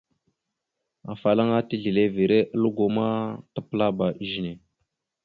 Afalaŋana tislevere algo ma tapəlaba izəne.